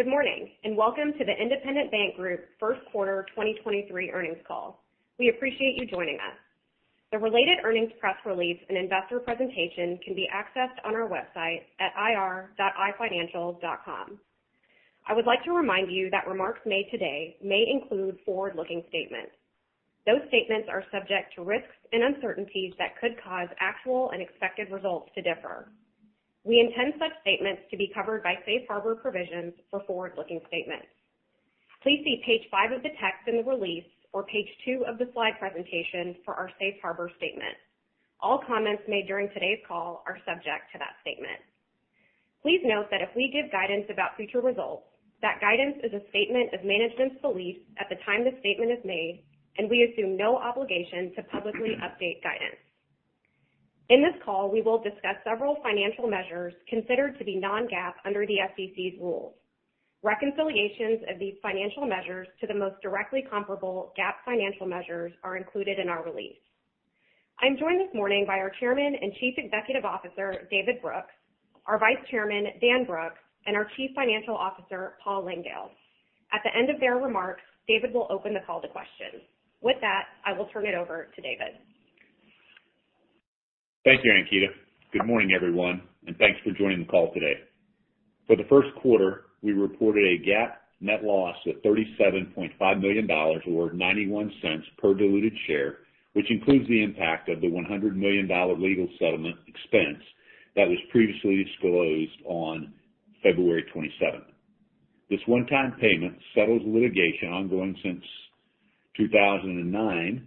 Good morning, and welcome to the Independent Bank Group First Quarter 2023 Earnings Call. We appreciate you joining us. The related earnings press release and investor presentation can be accessed on our website at ir.ifinancial.com. I would like to remind you that remarks made today may include forward-looking statements. Those statements are subject to risks and uncertainties that could cause actual and expected results to differ. We intend such statements to be covered by safe harbor provisions for forward-looking statements. Please see page five of the text in the release or page two of the slide presentation for our safe harbor statement. All comments made during today's call are subject to that statement. Please note that if we give guidance about future results, that guidance is a statement of management's beliefs at the time the statement is made, and we assume no obligation to publicly update guidance. In this call, we will discuss several financial measures considered to be non-GAAP under the SEC's rules. Reconciliations of these financial measures to the most directly comparable GAAP financial measures are included in our release. I'm joined this morning by our Chairman and Chief Executive Officer, David Brooks, our Vice Chairman, Dan Brooks, and our Chief Financial Officer, Paul Langdale. At the end of their remarks, David will open the call to questions. With that, I will turn it over to David. Thank you, Ankita. Good morning, everyone, and thanks for joining the call today. For the first quarter, we reported a GAAP net loss of $37.5 million or $0.91 per diluted share, which includes the impact of the $100 million legal settlement expense that was previously disclosed on February 27th. This one-time payment settles litigation ongoing since 2009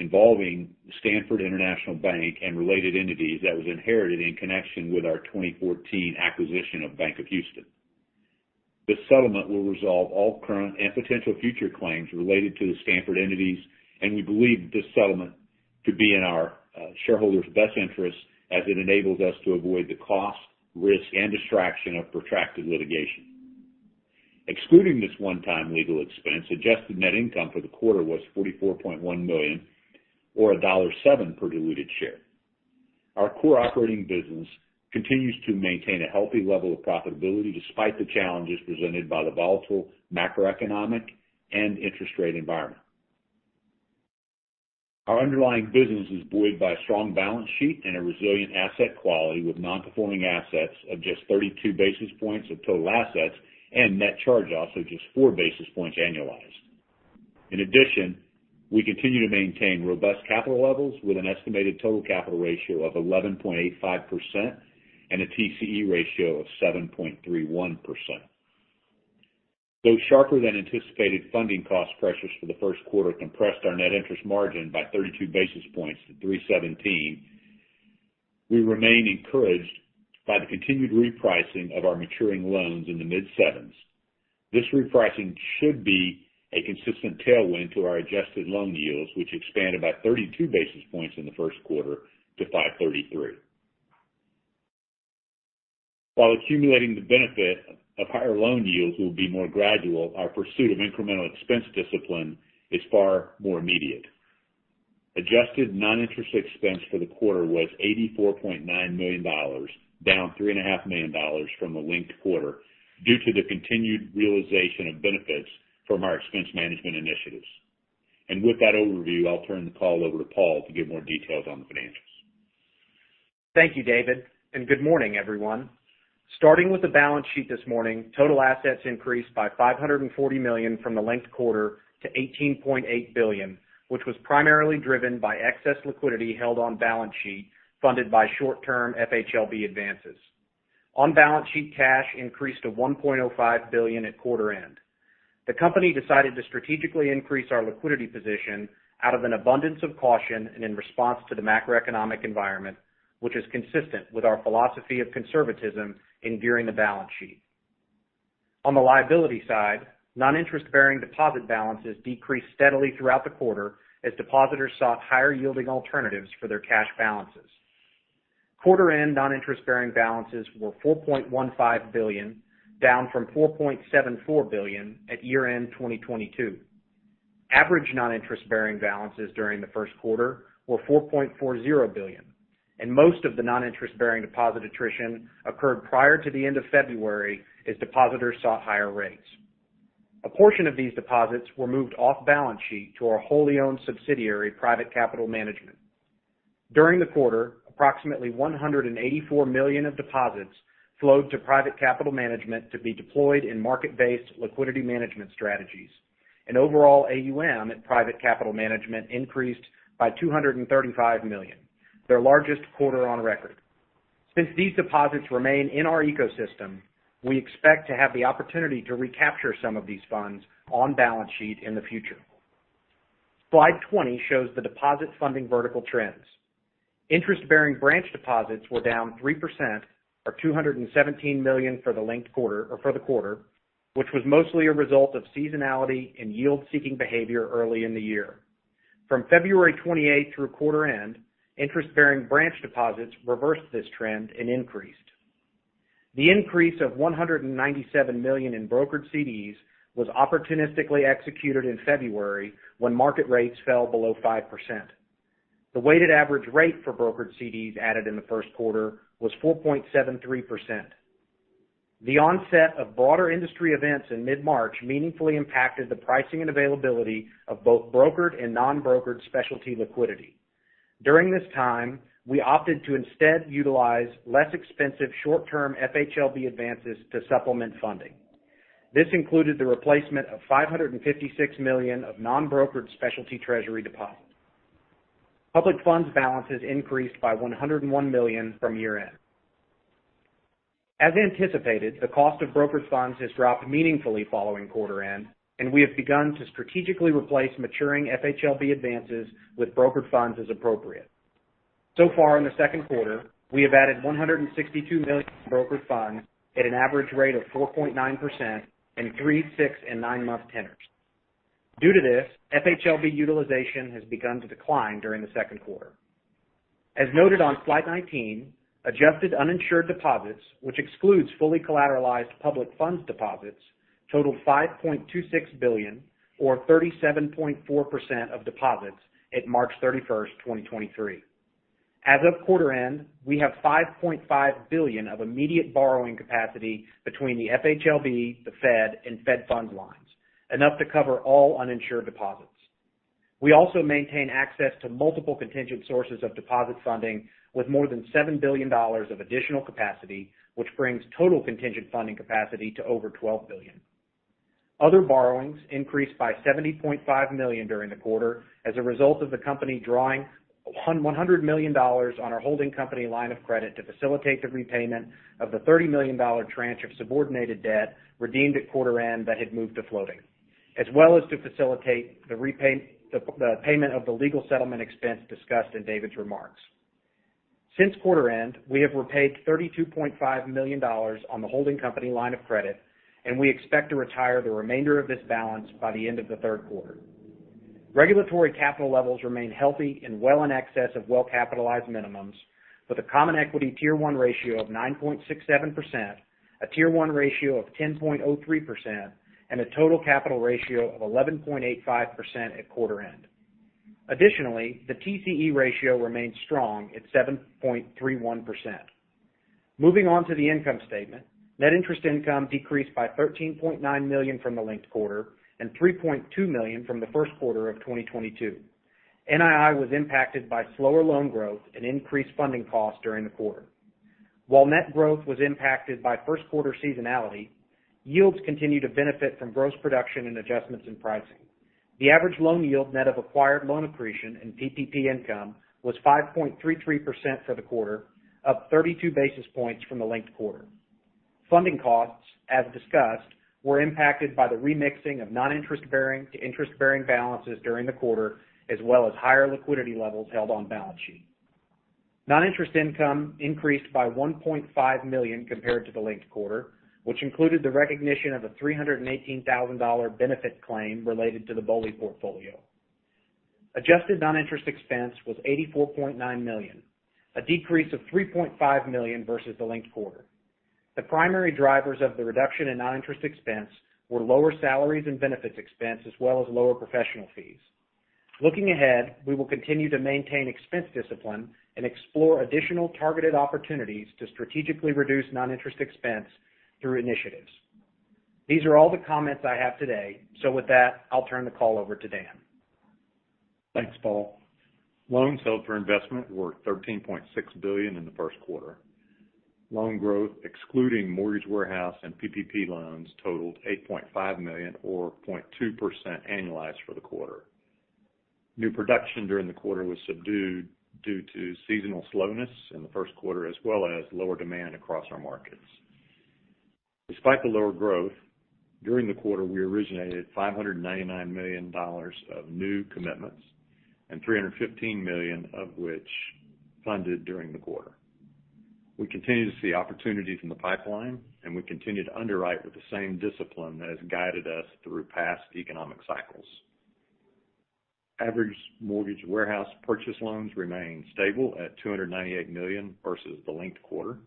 involving Stanford International Bank and related entities that was inherited in connection with our 2014 acquisition of Bank of Houston. This settlement will resolve all current and potential future claims related to the Stanford entities, and we believe this settlement to be in our shareholders' best interest as it enables us to avoid the cost, risk, and distraction of protracted litigation. Excluding this one-time legal expense, adjusted net income for the quarter was $44.1 million or $1.07 per diluted share. Our core operating business continues to maintain a healthy level of profitability despite the challenges presented by the volatile macroeconomic and interest rate environment. Our underlying business is buoyed by a strong balance sheet and a resilient asset quality with non-performing assets of just 32 basis points of total assets and net charge-offs of just 4 basis points annualized. We continue to maintain robust capital levels with an estimated total capital ratio of 11.85% and a TCE ratio of 7.31%. Sharper than anticipated funding cost pressures for the first quarter compressed our net interest margin by 32 basis points to 3.17, we remain encouraged by the continued repricing of our maturing loans in the mid-7s. This repricing should be a consistent tailwind to our adjusted loan yields, which expanded by 32 basis points in the first quarter to 5.33%. While accumulating the benefit of higher loan yields will be more gradual, our pursuit of incremental expense discipline is far more immediate. Adjusted non-interest expense for the quarter was $84.9 million, down three and a half million dollars from the linked quarter due to the continued realization of benefits from our expense management initiatives. With that overview, I'll turn the call over to Paul to give more details on the financials. Thank you, David. Good morning, everyone. Starting with the balance sheet this morning, total assets increased by $540 million from the linked quarter to $18.8 billion, which was primarily driven by excess liquidity held on balance sheet funded by short-term FHLB advances. On balance sheet, cash increased to $1.05 billion at quarter-end. The company decided to strategically increase our liquidity position out of an abundance of caution and in response to the macroeconomic environment, which is consistent with our philosophy of conservatism in gearing the balance sheet. On the liability side, non-interest-bearing deposit balances decreased steadily throughout the quarter as depositors sought higher-yielding alternatives for their cash balances. Quarter-end non-interest-bearing balances were $4.15 billion, down from $4.74 billion at year-end 2022. Average non-interest-bearing balances during the first quarter were $4.40 billion. Most of the non-interest-bearing deposit attrition occurred prior to the end of February as depositors sought higher rates. A portion of these deposits were moved off balance sheet to our wholly owned subsidiary, Private Capital Management. During the quarter, approximately $184 million of deposits flowed to Private Capital Management to be deployed in market-based liquidity management strategies. Overall AUM at Private Capital Management increased by $235 million, their largest quarter on record. Since these deposits remain in our ecosystem, we expect to have the opportunity to recapture some of these funds on balance sheet in the future. Slide 20 shows the deposit funding vertical trends. Interest-bearing branch deposits were down 3% or $217 million for the linked quarter or for the quarter, which was mostly a result of seasonality and yield-seeking behavior early in the year. From February 28 through quarter end, interest-bearing branch deposits reversed this trend and increased. The increase of $197 million in brokered CDs was opportunistically executed in February when market rates fell below 5%. The weighted average rate for brokered CDs added in the first quarter was 4.73%. The onset of broader industry events in mid-March meaningfully impacted the pricing and availability of both brokered and non-brokered specialty liquidity. During this time, we opted to instead utilize less expensive short-term FHLB advances to supplement funding. This included the replacement of $556 million of non-brokered specialty treasury deposits. Public funds balances increased by $101 million from year-end. As anticipated, the cost of brokered funds has dropped meaningfully following quarter end, and we have begun to strategically replace maturing FHLB advances with brokered funds as appropriate. Far in the second quarter, we have added $162 million brokered funds at an average rate of 4.9% in three, six, and nine-month tenors. Due to this, FHLB utilization has begun to decline during the second quarter. As noted on slide 19, adjusted uninsured deposits, which excludes fully collateralized public funds deposits, totaled $5.26 billion or 37.4% of deposits at March 31st, 2023. As of quarter end, we have $5.5 billion of immediate borrowing capacity between the FHLB, the Fed, and Fed funds lines, enough to cover all uninsured deposits. We also maintain access to multiple contingent sources of deposit funding with more than $7 billion of additional capacity, which brings total contingent funding capacity to over $12 billion. Other borrowings increased by $70.5 million during the quarter as a result of the company drawing $100 million on our holding company line of credit to facilitate the repayment of the $30 million tranche of subordinated debt redeemed at quarter end that had moved to floating, as well as to facilitate the payment of the legal settlement expense discussed in David's remarks. Since quarter end, we have repaid $32.5 million on the holding company line of credit, and we expect to retire the remainder of this balance by the end of the third quarter. Regulatory capital levels remain healthy and well in excess of well-capitalized minimums with a Common Equity Tier 1 ratio of 9.67%, a Tier 1 ratio of 10.03%, and a total capital ratio of 11.85% at quarter end. Additionally, the TCE ratio remains strong at 7.31%. Moving on to the income statement. Net interest income decreased by $13.9 million from the linked quarter and $3.2 million from the first quarter of 2022. NII was impacted by slower loan growth and increased funding costs during the quarter. While net growth was impacted by first quarter seasonality, yields continue to benefit from gross production and adjustments in pricing. The average loan yield net of acquired loan accretion and PPP income was 5.33% for the quarter, up 32 basis points from the linked quarter. Funding costs, as discussed, were impacted by the remixing of non-interest-bearing to interest-bearing balances during the quarter, as well as higher liquidity levels held on balance sheet. Non-interest income increased by $1.5 million compared to the linked quarter, which included the recognition of a $318,000 benefit claim related to the BOLI portfolio. Adjusted non-interest expense was $84.9 million, a decrease of $3.5 million versus the linked quarter. The primary drivers of the reduction in non-interest expense were lower salaries and benefits expense, as well as lower professional fees. Looking ahead, we will continue to maintain expense discipline and explore additional targeted opportunities to strategically reduce non-interest expense through initiatives. These are all the comments I have today. With that, I'll turn the call over to Dan. Thanks, Paul. Loans held for investment were $13.6 billion in the first quarter. Loan growth, excluding mortgage warehouse and PPP loans totaled $8.5 million or 0.2% annualized for the quarter. New production during the quarter was subdued due to seasonal slowness in the first quarter, as well as lower demand across our markets. Despite the lower growth, during the quarter, we originated $599 million of new commitments and $315 million of which funded during the quarter. We continue to see opportunities in the pipeline, and we continue to underwrite with the same discipline that has guided us through past economic cycles. Average mortgage warehouse purchase loans remain stable at $298 million versus the linked quarter.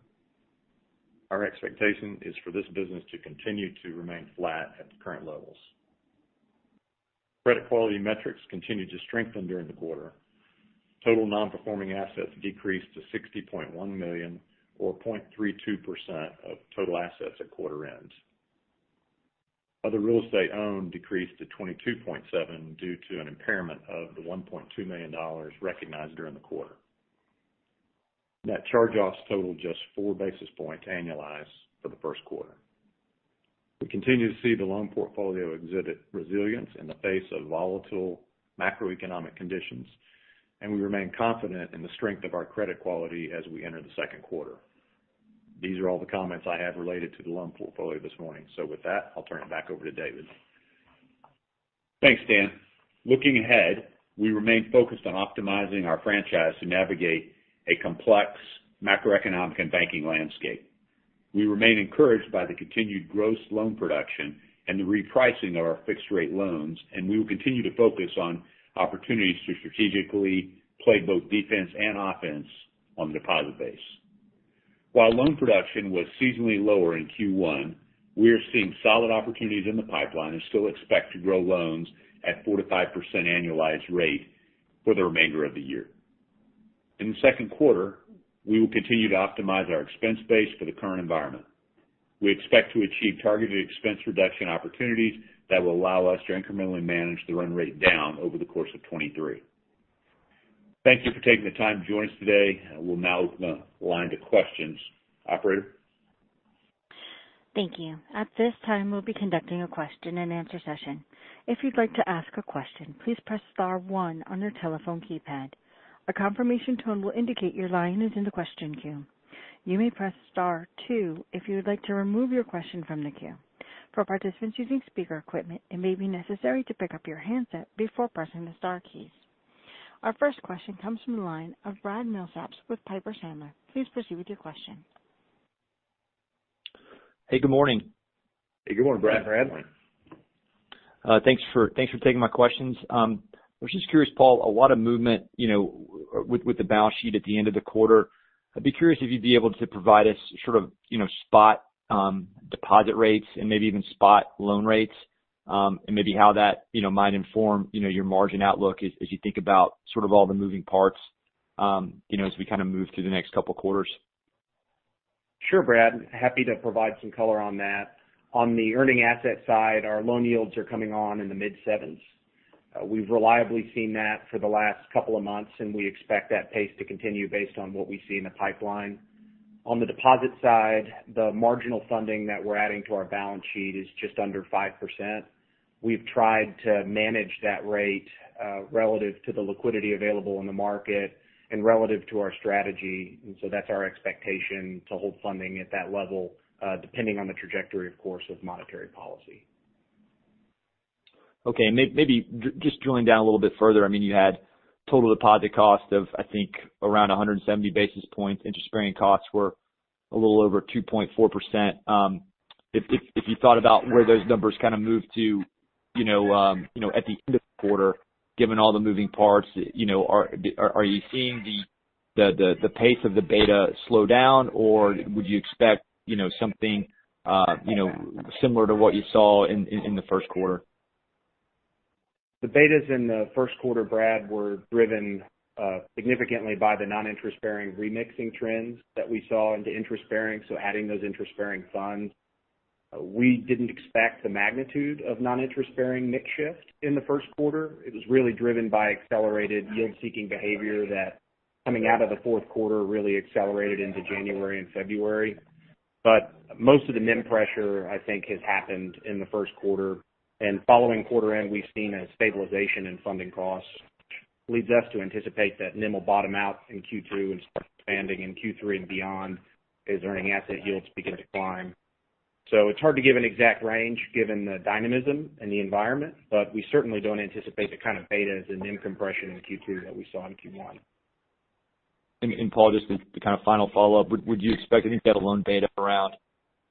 Our expectation is for this business to continue to remain flat at the current levels. Credit quality metrics continued to strengthen during the quarter. Total non-performing assets decreased to $60.1 million or 0.32% of total assets at quarter end. Other real estate owned decreased to $22.7 million due to an impairment of the $1.2 million recognized during the quarter. Net charge-offs totaled just four basis points annualized for the first quarter. We continue to see the loan portfolio exhibit resilience in the face of volatile macroeconomic conditions. We remain confident in the strength of our credit quality as we enter the second quarter. These are all the comments I have related to the loan portfolio this morning. With that, I'll turn it back over to David. Thanks, Dan. Looking ahead, we remain focused on optimizing our franchise to navigate a complex macroeconomic and banking landscape. We remain encouraged by the continued gross loan production and the repricing of our fixed rate loans. We will continue to focus on opportunities to strategically play both defense and offense on the deposit base. While loan production was seasonally lower in Q1, we are seeing solid opportunities in the pipeline and still expect to grow loans at 4%-5% annualized rate for the remainder of the year. In the second quarter, we will continue to optimize our expense base for the current environment. We expect to achieve targeted expense reduction opportunities that will allow us to incrementally manage the run rate down over the course of 2023. Thank you for taking the time to join us today. I will now open the line to questions. Operator? Thank you. At this time, we'll be conducting a question and answer session. If you'd like to ask a question, please press star one on your telephone keypad. A confirmation tone will indicate your line is in the question queue. You may press star two if you would like to remove your question from the queue. For participants using speaker equipment, it may be necessary to pick up your handset before pressing the star keys. Our first question comes from the line of Brad Milsaps with Piper Sandler. Please proceed with your question. Hey, good morning. Hey, good morning, Brad. Good morning. Thanks for taking my questions. I was just curious, Paul, a lot of movement, you know, with the balance sheet at the end of the quarter. I'd be curious if you'd be able to provide us sort of, you know, spot deposit rates and maybe even spot loan rates, and maybe how that, you know, might inform, you know, your margin outlook as you think about sort of all the moving parts, you know, as we kind of move through the next couple quarters? Sure, Brad. Happy to provide some color on that. On the earning asset side, our loan yields are coming on in the mid 7s. We've reliably seen that for the last couple of months, and we expect that pace to continue based on what we see in the pipeline. On the deposit side, the marginal funding that we're adding to our balance sheet is just under 5%. We've tried to manage that rate relative to the liquidity available in the market and relative to our strategy. That's our expectation to hold funding at that level, depending on the trajectory, of course, of monetary policy. Okay. Maybe just drilling down a little bit further. I mean, you had total deposit cost of, I think, around 170 basis points. Interest-bearing costs were a little over 2.4%. If you thought about where those numbers kind of move to, you know, at the end of the quarter, given all the moving parts, you know, are you seeing the pace of the beta slow down? Or would you expect, you know, something, you know, similar to what you saw in the first quarter? The betas in the first quarter, Brad, were driven significantly by the non-interest bearing remixing trends that we saw into interest-bearing, so adding those interest-bearing funds. We didn't expect the magnitude of non-interest bearing mix shift in the first quarter. It was really driven by accelerated yield-seeking behavior that coming out of the fourth quarter really accelerated into January and February. Most of the NIM pressure, I think, has happened in the first quarter. Following quarter end, we've seen a stabilization in funding costs, which leads us to anticipate that NIM will bottom out in Q2 and start expanding in Q3 and beyond as earning asset yields begin to climb. It's hard to give an exact range given the dynamism in the environment, but we certainly don't anticipate the kind of betas and NIM compression in Q2 that we saw in Q1. Paul, just the kind of final follow-up. I think you had a loan beta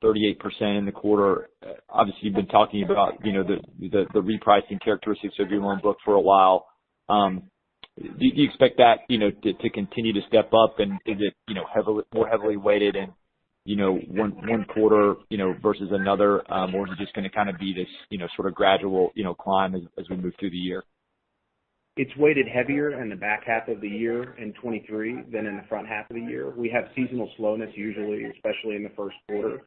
around 38% in the quarter. Obviously, you've been talking about, you know, the repricing characteristics of your loan book for a while. Do you expect that, you know, to continue to step up? Is it, you know, more heavily weighted in, you know, one quarter, you know, versus another? Is it just gonna kind of be this, you know, sort of gradual, you know, climb as we move through the year? It's weighted heavier in the back half of the year in 2023 than in the front half of the year. We have seasonal slowness usually, especially in the first quarter.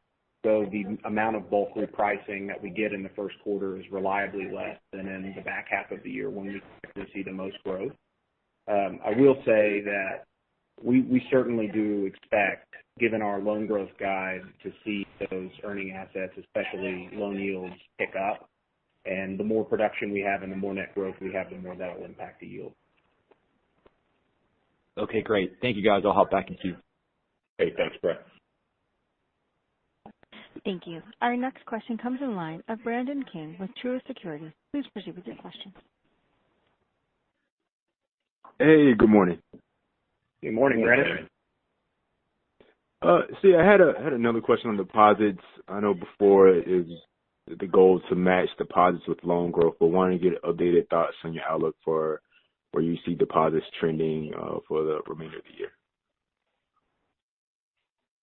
The amount of bulk repricing that we get in the first quarter is reliably less than in the back half of the year when we expect to see the most growth. I will say that we certainly do expect, given our loan growth guide, to see those earning assets, especially loan yields, pick up. The more production we have and the more net growth we have, the more that will impact the yield. Okay, great. Thank you, guys. I'll hop back in queue. Great. Thanks, Brad. Thank you. Our next question comes in line of Brandon King with Truist Securities. Please proceed with your question. Hey, good morning. Good morning, Brandon. See, I had another question on deposits. I know before it was the goal to match deposits with loan growth. Wanted to get updated thoughts on your outlook for where you see deposits trending for the remainder of the year.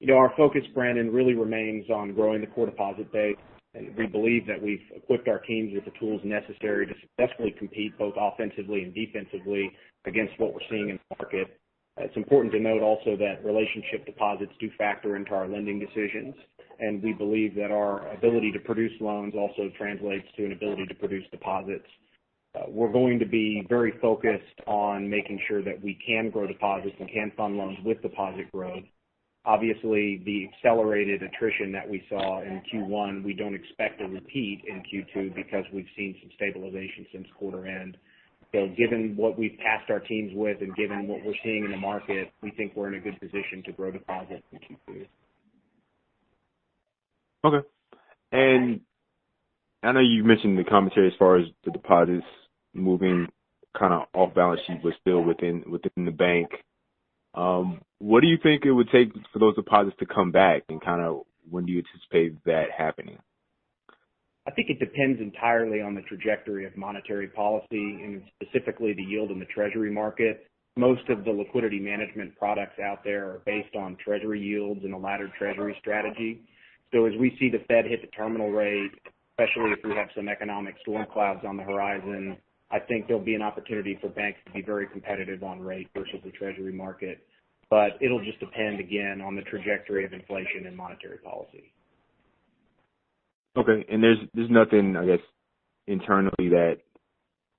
You know, our focus, Brandon, really remains on growing the core deposit base. We believe that we've equipped our teams with the tools necessary to successfully compete both offensively and defensively against what we're seeing in the market. It's important to note also that relationship deposits do factor into our lending decisions, and we believe that our ability to produce loans also translates to an ability to produce deposits. We're going to be very focused on making sure that we can grow deposits and can fund loans with deposit growth. Obviously, the accelerated attrition that we saw in Q1, we don't expect a repeat in Q2 because we've seen some stabilization since quarter end. Given what we've tasked our teams with and given what we're seeing in the market, we think we're in a good position to grow deposits in Q2. Okay. I know you've mentioned in the commentary as far as the deposits moving kind of off balance sheet but still within the bank. What do you think it would take for those deposits to come back, and kind of when do you anticipate that happening? I think it depends entirely on the trajectory of monetary policy and specifically the yield in the treasury market. Most of the liquidity management products out there are based on treasury yields and a ladder treasury strategy. As we see the Fed hit the terminal rate, especially if we have some economic storm clouds on the horizon, I think there'll be an opportunity for banks to be very competitive on rate versus the treasury market. It'll just depend, again, on the trajectory of inflation and monetary policy. Okay. there's nothing, I guess, internally that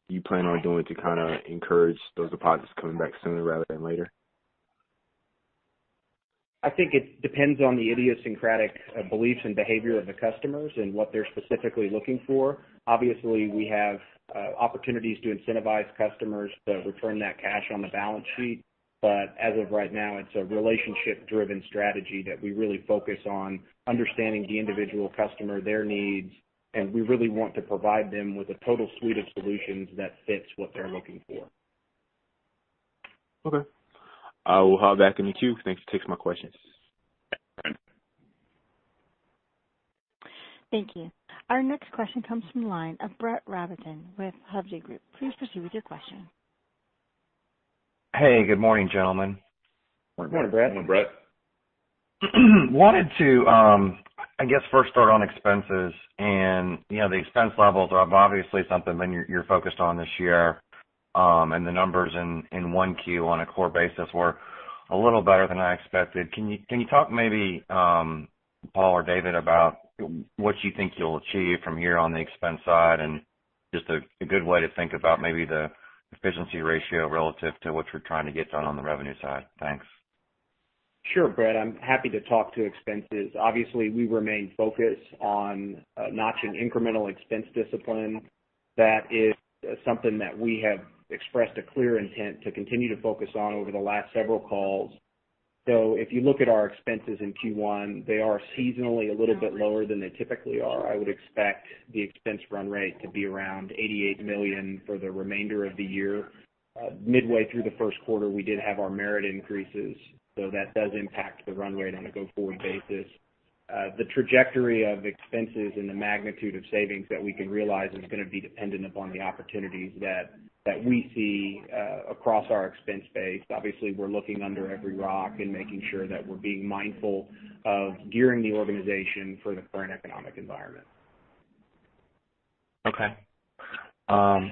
you plan on doing to kinda encourage those deposits coming back sooner rather than later? I think it depends on the idiosyncratic beliefs and behavior of the customers and what they're specifically looking for. Obviously, we have opportunities to incentivize customers to return that cash on the balance sheet. As of right now, it's a relationship-driven strategy that we really focus on understanding the individual customer, their needs, and we really want to provide them with a total suite of solutions that fits what they're looking for. Okay. I will hop back in the queue. Thank you for taking my questions. Thank you. Our next question comes from the line of Brett Rabatin with Hovde Group. Please proceed with your question. Hey, good morning, gentlemen. Morning, Brett. Morning, Brett. Wanted to, I guess, first start on expenses. You know, the expense levels are obviously something when you're focused on this year, and the numbers in 1Q on a core basis were a little better than I expected. Can you talk maybe, Paul or David, about what you think you'll achieve from here on the expense side and just a good way to think about maybe the efficiency ratio relative to what you're trying to get done on the revenue side? Thanks. Sure, Brett. I'm happy to talk to expenses. Obviously, we remain focused on notching incremental expense discipline. That is something that we have expressed a clear intent to continue to focus on over the last several calls. If you look at our expenses in Q1, they are seasonally a little bit lower than they typically are. I would expect the expense run rate to be around $88 million for the remainder of the year. Midway through the first quarter, we did have our merit increases, so that does impact the runway on a go-forward basis. The trajectory of expenses and the magnitude of savings that we can realize is gonna be dependent upon the opportunities that we see across our expense base. Obviously, we're looking under every rock and making sure that we're being mindful of gearing the organization for the current economic environment. Okay.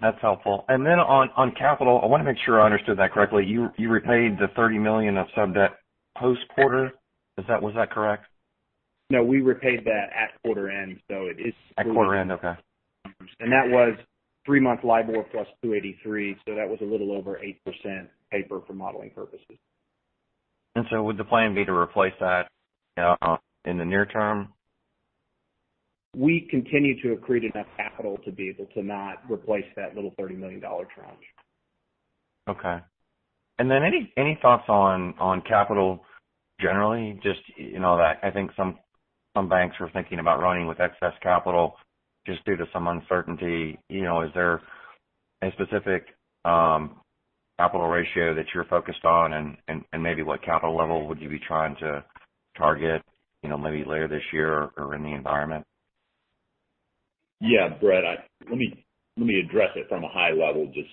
That's helpful. On, on capital, I wanna make sure I understood that correctly. You repaid the $30 million of sub-debt post-quarter. Was that correct? No, we repaid that at quarter end, so it is- At quarter end? Okay. That was three-month LIBOR plus 283, so that was a little over 8% paper for modeling purposes. Would the plan be to replace that in the near term? We continue to accrete enough capital to be able to not replace that little $30 million tranche. Okay. Then any thoughts on capital generally? Just, you know, that I think some banks are thinking about running with excess capital just due to some uncertainty. You know, is there a specific capital ratio that you're focused on and maybe what capital level would you be trying to target, you know, maybe later this year or in the environment? Yeah, Brett, let me, let me address it from a high level, just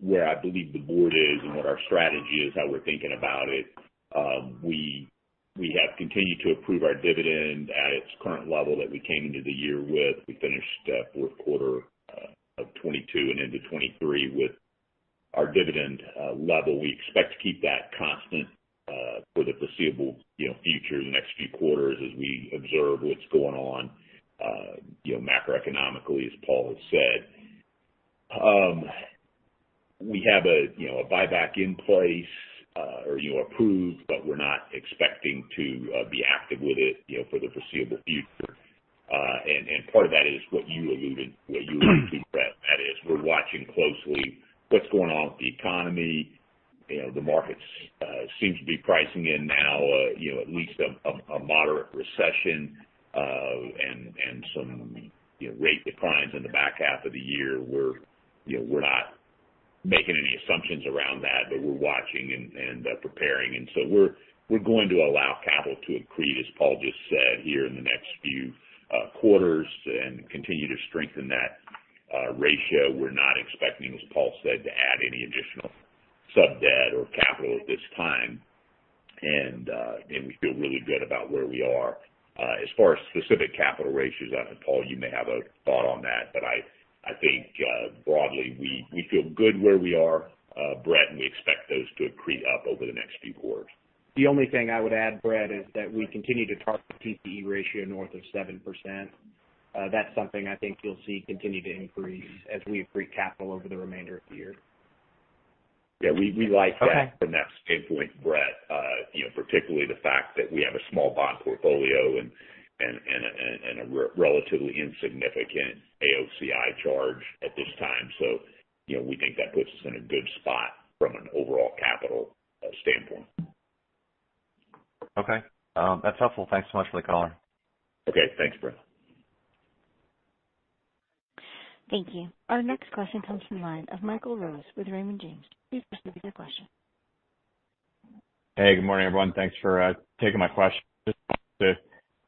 where I believe the board is and what our strategy is, how we're thinking about it. We have continued to approve our dividend at its current level that we came into the year with. We finished fourth quarter of 2022 and into 2023 with our dividend level. We expect to keep that constant for the foreseeable, you know, future, the next few quarters as we observe what's going on, you know, macroeconomically, as Paul has said. We have a, you know, a buyback in place, or, you know, approved, but we're not expecting to be active with it, you know, for the foreseeable future. Part of that is what you alluded, what you allude to, Brett. That is, we're watching closely what's going on with the economy. You know, the markets seem to be pricing in now, you know, at least a moderate recession, and some, you know, rate declines in the back half of the year. We're, you know, we're not making any assumptions around that, but we're watching and preparing. We're going to allow capital to accrete, as Paul just said, here in the next few quarters and continue to strengthen that ratio. We're not expecting, as Paul said, to add any additional sub-debt or capital at this time. We feel really good about where we are. As far as specific capital ratios, I don't know, Paul, you may have a thought on that, but I think, broadly we feel good where we are, Brett, and we expect those to accrete up over the next few quarters. The only thing I would add, Brett, is that we continue to target TCE ratio north of 7%. That's something I think you'll see continue to increase as we accrete capital over the remainder of the year. Yeah, we like that. Okay. from that standpoint, Brett. you know, particularly the fact that we have a small bond portfolio and a relatively insignificant AOCI charge at this time. you know, we think that puts us in a good spot from an overall capital standpoint. Okay. That's helpful. Thanks so much for the color. Okay. Thanks, Brett. Thank you. Our next question comes from the line of Michael Rose with Raymond James. Please proceed with your question. Hey, good morning, everyone. Thanks for taking my question. Just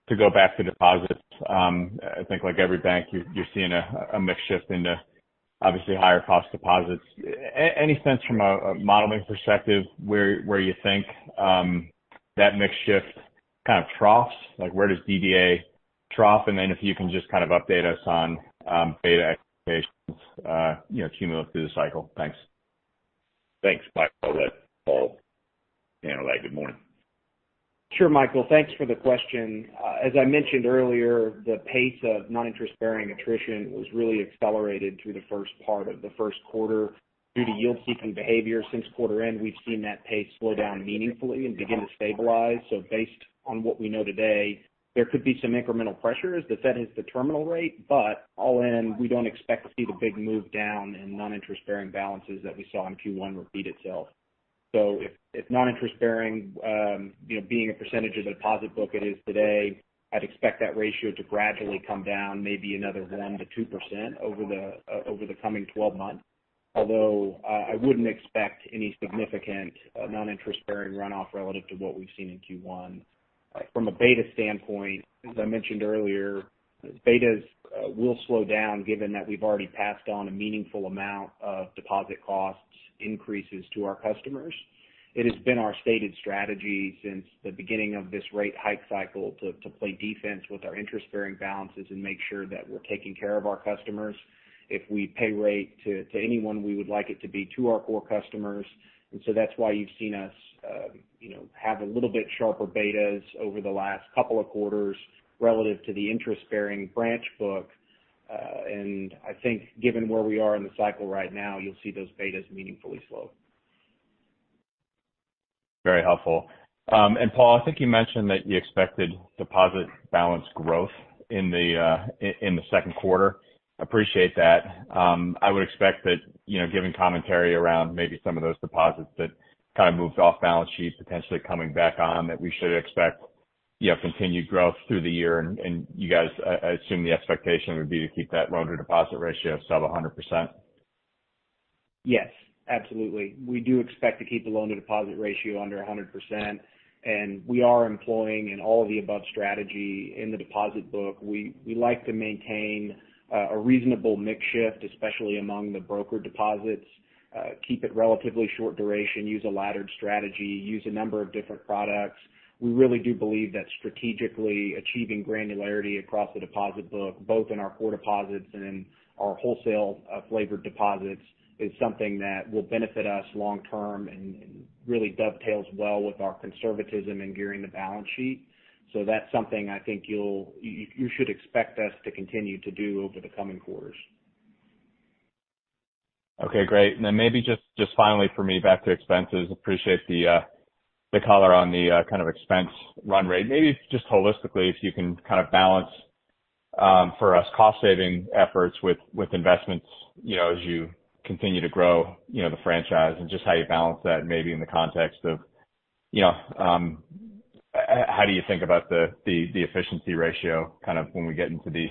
wanted to go back to deposits. I think like every bank, you're seeing a mix shift into obviously higher cost deposits. Any sense from a modeling perspective where you think that mix shift kind of troughs? Like, where does DTA trough? If you can just kind of update us on beta expectations, you know, cumulative through the cycle. Thanks. Thanks, Michael. Let Paul handle that. Good morning. Sure, Michael, thanks for the question. As I mentioned earlier, the pace of non-interest-bearing attrition was really accelerated through the first part of the first quarter due to yield-seeking behavior. Since quarter end, we've seen that pace slow down meaningfully and begin to stabilize. Based on what we know today, there could be some incremental pressures that hits the terminal rate, but all in, we don't expect to see the big move down in non-interest-bearing balances that we saw in Q1 repeat itself. If non-interest-bearing, you know, being a percentage of the deposit book it is today, I'd expect that ratio to gradually come down maybe another 1%-2% over the coming 12 months. Although, I wouldn't expect any significant non-interest-bearing runoff relative to what we've seen in Q1. From a beta standpoint, as I mentioned earlier, betas will slow down given that we've already passed on a meaningful amount of deposit costs increases to our customers. It has been our stated strategy since the beginning of this rate hike cycle to play defense with our interest-bearing balances and make sure that we're taking care of our customers. If we pay rate to anyone, we would like it to be to our core customers. That's why you've seen us, you know, have a little bit sharper betas over the last couple of quarters relative to the interest-bearing branch book. I think given where we are in the cycle right now, you'll see those betas meaningfully slow. Very helpful. Paul, I think you mentioned that you expected deposit balance growth in the second quarter. Appreciate that. I would expect that, you know, given commentary around maybe some of those deposits that kind of moved off balance sheet potentially coming back on, that we should expect continued growth through the year. You guys, I assume the expectation would be to keep that loan-to-deposit ratio sub 100%. Yes, absolutely. We do expect to keep the loan-to-deposit ratio under 100%, and we are employing an all-of-the-above strategy in the deposit book. We like to maintain a reasonable mix shift, especially among the broker deposits. Keep it relatively short duration, use a laddered strategy, use a number of different products. We really do believe that strategically achieving granularity across the deposit book, both in our core deposits and in our wholesale flavored deposits, is something that will benefit us long term and really dovetails well with our conservatism in gearing the balance sheet. That's something I think you should expect us to continue to do over the coming quarters. Okay, great. Then maybe just finally for me, back to expenses. Appreciate the color on the kind of expense run rate. Maybe just holistically, if you can kind of balance for us, cost-saving efforts with investments, you know, as you continue to grow, you know, the franchise and just how you balance that maybe in the context of, you know, how do you think about the efficiency ratio kind of when we get into the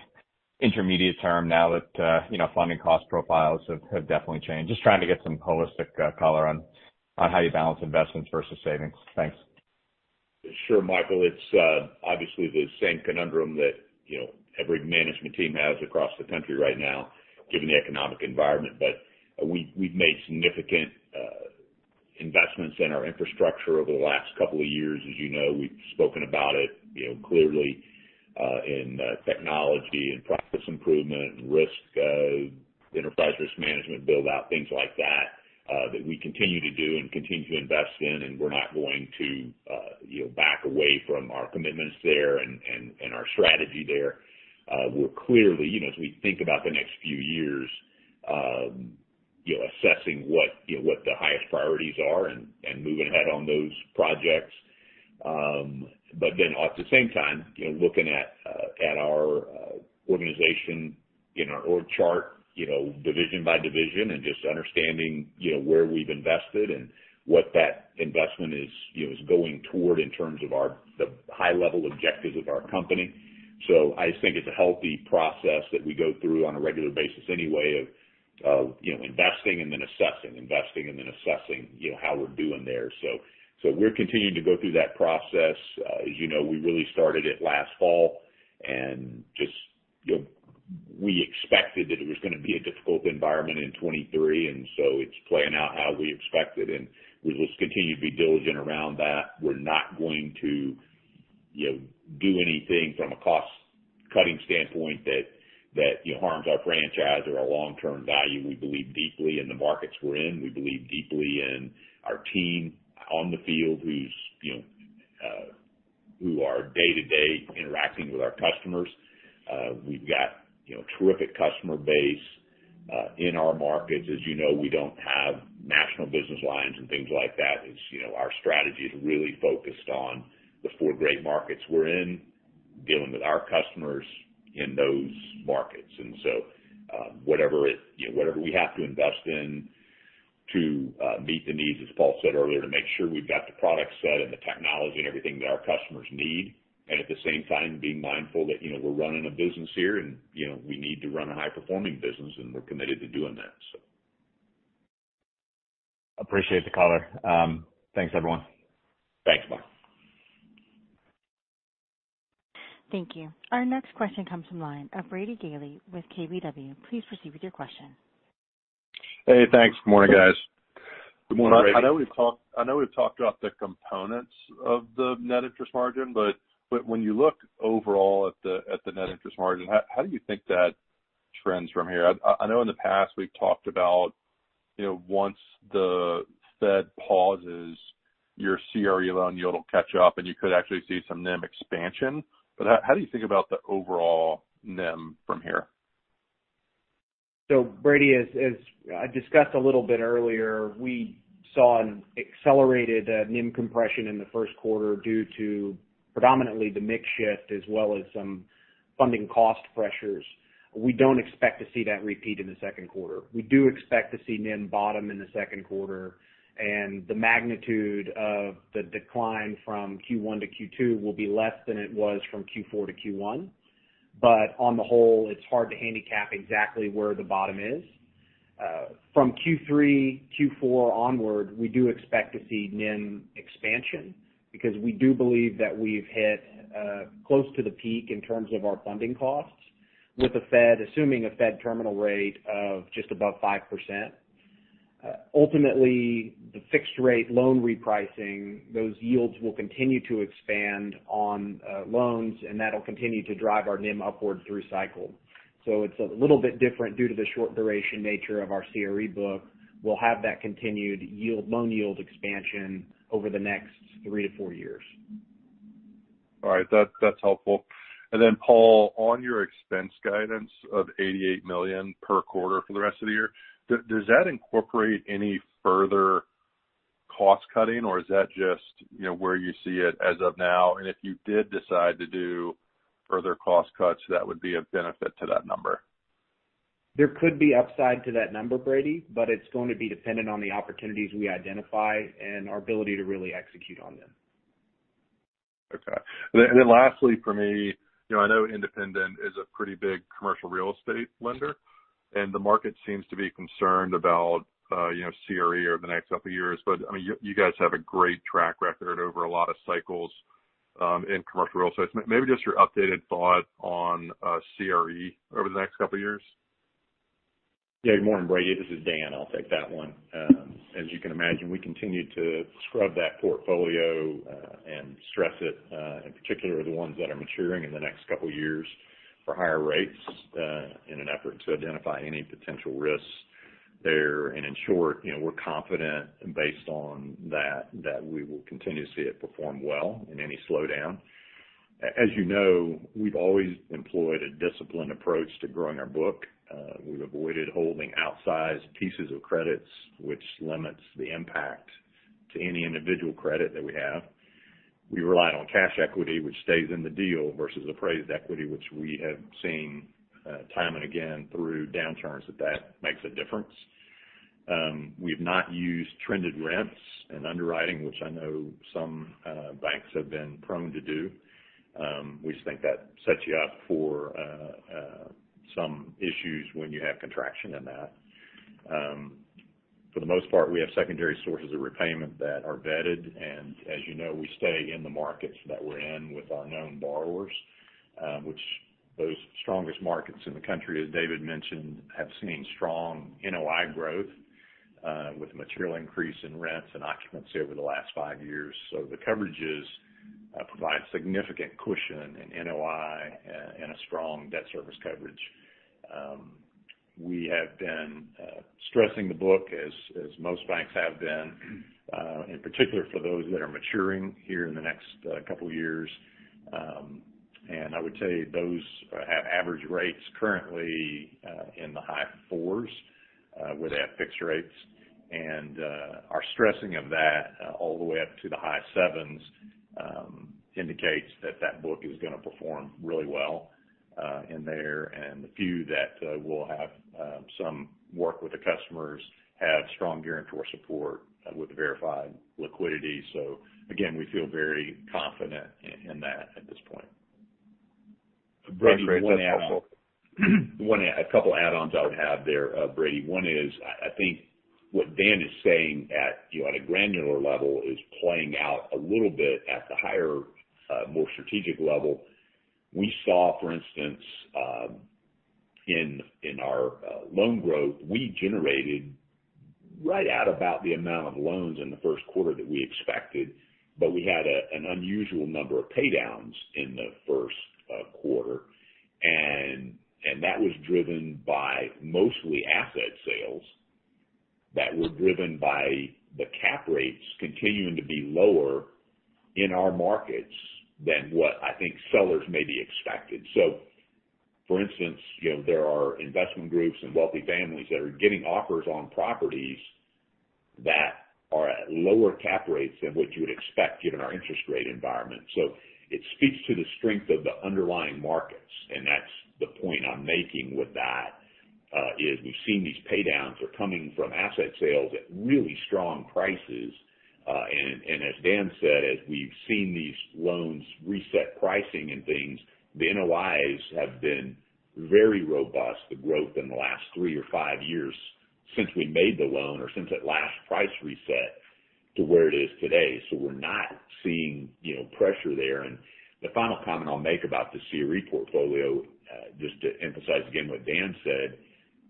intermediate term now that, you know, funding cost profiles have definitely changed? Just trying to get some holistic color on how you balance investments versus savings. Thanks. Sure, Michael. It's obviously the same conundrum that, you know, every management team has across the country right now given the economic environment. We've made significant investments in our infrastructure over the last couple of years, as you know. We've spoken about it, you know, clearly in technology and practice improvement and risk enterprise risk management build-out, things like that that we continue to do and continue to invest in, and we're not going to, you know, back away from our commitments there and our strategy there. We're clearly, you know, as we think about the next few years, you know, assessing what, you know, what the highest priorities are and moving ahead on those projects. At the same time, you know, looking at our organization in our org chart, you know, division by division and just understanding, you know, where we've invested and what that investment is, you know, is going toward in terms of our high-level objectives of our company. I just think it's a healthy process that we go through on a regular basis anyway of, you know, investing and then assessing, investing and then assessing, you know, how we're doing there. We're continuing to go through that process. As you know, we really started it last fall. Just, you know, we expected that it was gonna be a difficult environment in 23, and so it's playing out how we expected, and we'll just continue to be diligent around that. We're not going to, you know, do anything from a cost-cutting standpoint that, you know, harms our franchise or our long-term value. We believe deeply in the markets we're in. We believe deeply in our team on the field who's, you know, who are day-to-day interacting with our customers. We've got, you know, terrific customer base in our markets. As you know, we don't have national business lines and things like that. As you know, our strategy is really focused on the four great markets we're in, dealing with our customers in those markets. Whatever, you know, we have to invest in to meet the needs, as Paul said earlier, to make sure we've got the product set and the technology and everything that our customers need. At the same time, being mindful that, you know, we're running a business here and, you know, we need to run a high-performing business, and we're committed to doing that. Appreciate the call. Thanks everyone. Thanks. Bye. Thank you. Our next question comes from line of Brady Gailey with KBW. Please proceed with your question. Hey, thanks. Good morning, guys. Good morning, Brady. I know we've talked about the components of the net interest margin, when you look overall at the net interest margin, how do you think that trends from here? I know in the past, we've talked about, you know, once the Fed pauses your CRE loan yield will catch up and you could actually see some NIM expansion. How do you think about the overall NIM from here? Brady, as I discussed a little bit earlier, we saw an accelerated NIM compression in the first quarter due to predominantly the mix shift as well as some funding cost pressures. We don't expect to see that repeat in the second quarter. We do expect to see NIM bottom in the second quarter, and the magnitude of the decline from Q1 to Q2 will be less than it was from Q4 to Q1. On the whole, it's hard to handicap exactly where the bottom is. From Q3, Q4 onward, we do expect to see NIM expansion because we do believe that we've hit close to the peak in terms of our funding costs with the Fed, assuming a Fed terminal rate of just above 5%. Ultimately, the fixed rate loan repricing, those yields will continue to expand on loans, and that'll continue to drive our NIM upwards through cycle. It's a little bit different due to the short duration nature of our CRE book. We'll have that continued loan yield expansion over the next three-four years. All right. That's helpful. Paul, on your expense guidance of $88 million per quarter for the rest of the year, does that incorporate any further cost cutting, or is that just, you know, where you see it as of now? If you did decide to do further cost cuts, that would be of benefit to that number. There could be upside to that number, Brady, but it's going to be dependent on the opportunities we identify and our ability to really execute on them. Okay. Lastly for me, you know, I know Independent is a pretty big commercial real estate lender, the market seems to be concerned about, you know, CRE over the next couple of years. I mean, you guys have a great track record over a lot of cycles in commercial real estate. Maybe just your updated thought on CRE over the next couple of years. Good morning, Brady. This is Dan. I'll take that one. As you can imagine, we continue to scrub that portfolio and stress it, in particular the ones that are maturing in the next couple of years for higher rates, in an effort to identify any potential risks there. In short, you know, we're confident based on that we will continue to see it perform well in any slowdown. As you know, we've always employed a disciplined approach to growing our book. We've avoided holding outsized pieces of credits, which limits the impact to any individual credit that we have. We relied on cash equity, which stays in the deal versus appraised equity, which we have seen, time and again through downturns that makes a difference. We've not used trended rents and underwriting, which I know some banks have been prone to do. We just think that sets you up for some issues when you have contraction in that. For the most part, we have secondary sources of repayment that are vetted, and as you know, we stay in the markets that we're in with our known borrowers, which those strongest markets in the country, as David mentioned, have seen strong NOI growth with material increase in rents and occupancy over the last five years. The coverages provide significant cushion in NOI and a strong debt service coverage. We have been stressing the book as most banks have been in particular for those that are maturing here in the next couple of years. I would tell you those have average rates currently in the high 4s with that fixed rates. Our stressing of that all the way up to the high 7s indicates that that book is gonna perform really well in there. The few that will have some work with the customers have strong guarantor support with verified liquidity. Again, we feel very confident in that at this point. Thanks, Dan. That's helpful. A couple add-ons I would have there, Brady. One is, I think what Dan is saying at, you know, at a granular level is playing out a little bit at the higher, more strategic level. We saw, for instance, in our loan growth, we generated right at about the amount of loans in the first quarter that we expected, but we had an unusual number of paydowns in the first quarter. That was driven by mostly asset sales that were driven by the cap rates continuing to be lower in our markets than what I think sellers maybe expected. For instance, you know, there are investment groups and wealthy families that are getting offers on properties that are at lower cap rates than what you would expect given our interest rate environment. It speaks to the strength of the underlying markets, and that's the point I'm making with that, is we've seen these paydowns are coming from asset sales at really strong prices. And as Dan said, as we've seen these loans reset pricing and things, the NOIs have been very robust. The growth in the last 3 or 5 years since we made the loan or since that last price reset to where it is today. We're not seeing, you know, pressure there. The final comment I'll make about the CRE portfolio, just to emphasize again what Dan said,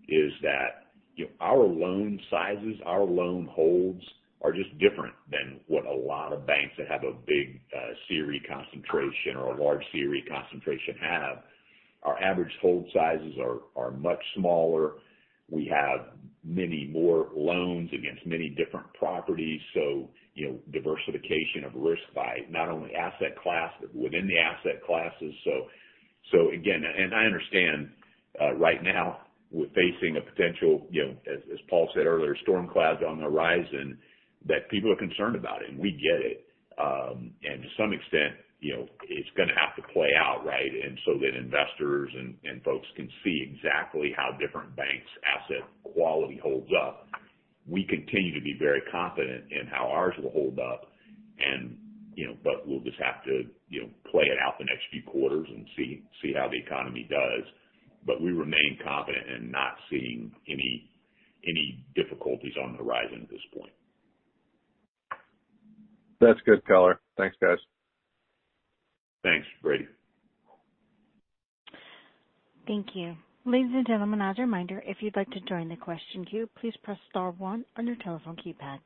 is that, you know, our loan sizes, our loan holds are just different than what a lot of banks that have a big CRE concentration or a large CRE concentration have. Our average hold sizes are much smaller. We have many more loans against many different properties. You know, diversification of risk by not only asset class, but within the asset classes. Again, and I understand, right now we're facing a potential, you know, as Paul said earlier, storm clouds on the horizon that people are concerned about it, and we get it. To some extent, you know, it's gonna have to play out, right? That investors and folks can see exactly how different banks' asset quality holds up. We continue to be very confident in how ours will hold up and, you know, but we'll just have to, you know, play it out the next few quarters and see how the economy does. We remain confident in not seeing any difficulties on the horizon at this point. That's good color. Thanks, guys. Thanks, Brady. Thank you. Ladies and gentlemen, as a reminder, if you'd like to join the question queue, please press star one on your telephone keypad.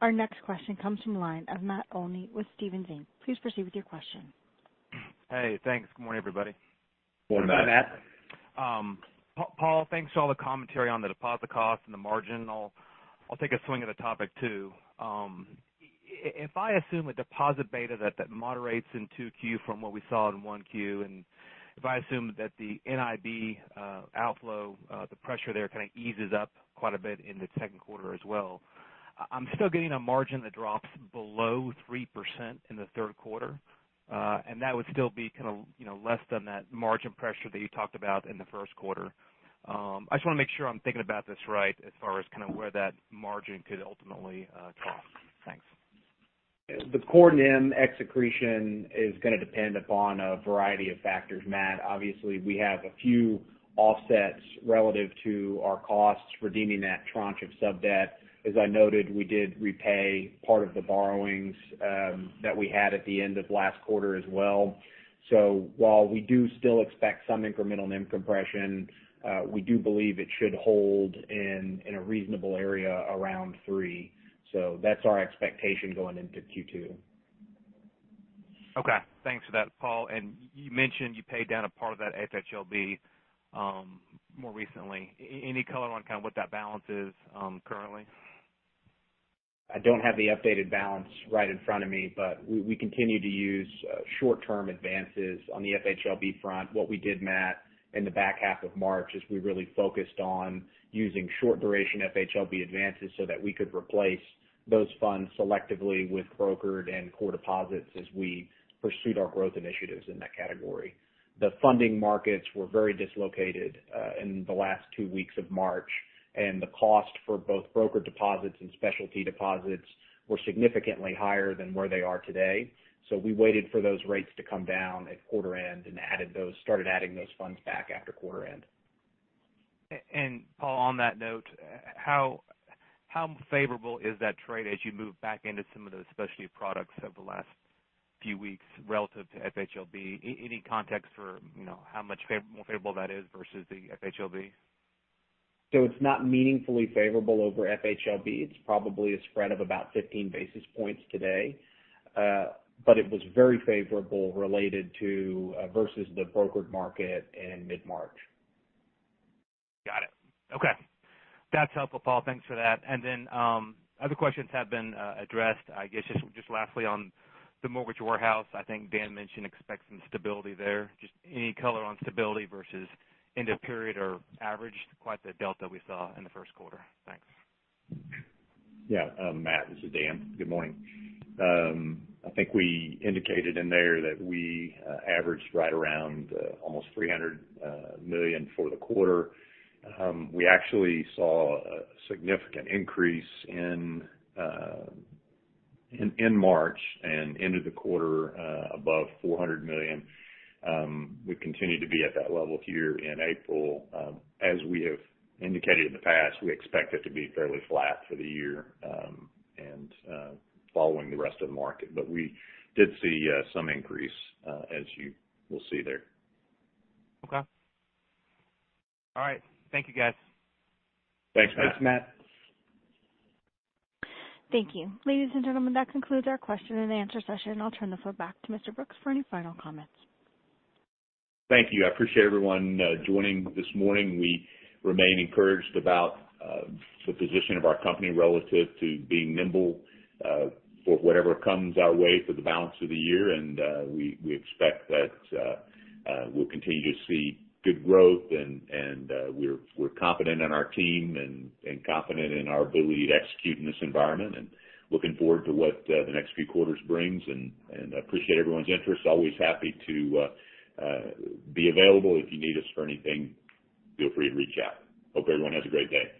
Our next question comes from the line of Matt Olney with Stephens Inc. Please proceed with your question. Hey, thanks. Good morning, everybody. Morning, Matt. Paul, thanks for all the commentary on the deposit cost and the margin. I'll take a swing at a topic too. if I assume a deposit beta that moderates in 2Q from what we saw in 1Q, and if I assume that the NIB outflow, the pressure there kind of eases up quite a bit in the second quarter as well, I'm still getting a margin that drops below 3% in the third quarter. and that would still be kind of, you know, less than that margin pressure that you talked about in the first quarter. I just wanna make sure I'm thinking about this right as far as kind of where that margin could ultimately cross. Thanks. The core NIM excretion is gonna depend upon a variety of factors, Matt. Obviously, we have a few offsets relative to our costs redeeming that tranche of sub-debt. As I noted, we did repay part of the borrowings that we had at the end of last quarter as well. While we do still expect some incremental NIM compression, we do believe it should hold in a reasonable area around 3%. That's our expectation going into Q2. Okay. Thanks for that, Paul. You mentioned you paid down a part of that FHLB more recently. Any color on kind of what that balance is currently? I don't have the updated balance right in front of me, but we continue to use short-term advances on the FHLB front. What we did, Matt, in the back half of March, is we really focused on using short duration FHLB advances so that we could replace those funds selectively with brokered and core deposits as we pursued our growth initiatives in that category. The funding markets were very dislocated in the last two weeks of March. The cost for both broker deposits and specialty deposits were significantly higher than where they are today. We waited for those rates to come down at quarter end and started adding those funds back after quarter end. Paul, on that note, how favorable is that trade as you move back into some of those specialty products over the last few weeks relative to FHLB? Any context for, you know, how much more favorable that is versus the FHLB? It's not meaningfully favorable over FHLB. It's probably a spread of about 15 basis points today. It was very favorable related to versus the brokered market in mid-March. Got it. Okay. That's helpful, Paul. Thanks for that. Other questions have been addressed. I guess just lastly on the mortgage warehouse, I think Dan mentioned expecting stability there. Just any color on stability versus end of period or average, quite the delta we saw in the first quarter. Thanks. Yeah. Matt, this is Dan. Good morning. I think we indicated in there that we averaged right around almost $300 million for the quarter. We actually saw a significant increase in March and ended the quarter above $400 million. We've continued to be at that level here in April. As we have indicated in the past, we expect it to be fairly flat for the year, and following the rest of the market. We did see some increase as you will see there. Okay. All right. Thank you guys. Thanks, Matt. Thanks, Matt. Thank you. Ladies and gentlemen, that concludes our question and answer session, and I'll turn the floor back to Mr. Brooks for any final comments. Thank you. I appreciate everyone joining this morning. We remain encouraged about the position of our company relative to being nimble for whatever comes our way for the balance of the year. We expect that we'll continue to see good growth and we're confident in our team and confident in our ability to execute in this environment. Looking forward to what the next few quarters brings. I appreciate everyone's interest. Always happy to be available if you need us for anything, feel free to reach out. Hope everyone has a great day.